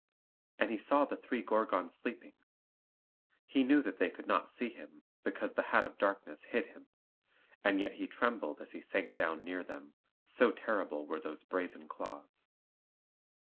And he saw the three Gorgons sleeping. He knew that they could not see him, because the hat of darkness hid him; and yet he trembled as he sank down near them, so terrible were those brazen claws.